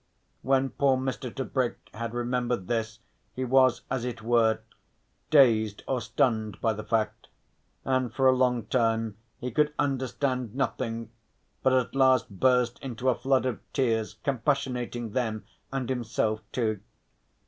When poor Mr. Tebrick had remembered this he was, as it were, dazed or stunned by the fact, and for a long time he could understand nothing, but at last burst into a flood of tears compassionating them and himself too.